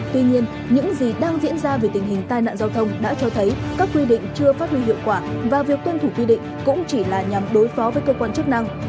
tuy nhiên những gì đang diễn ra về tình hình tai nạn giao thông đã cho thấy các quy định chưa phát huy hiệu quả và việc tuân thủ quy định cũng chỉ là nhằm đối phó với cơ quan chức năng